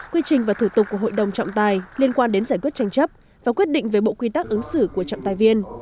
quy trình và thủ tục của hội đồng trọng tài liên quan đến giải quyết tranh chấp và quyết định về bộ quy tắc ứng xử của trọng tài viên